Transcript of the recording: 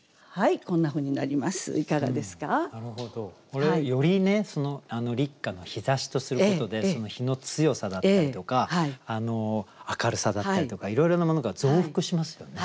これをより「立夏の日差し」とすることで日の強さだったりとか明るさだったりとかいろいろなものが増幅しますよね。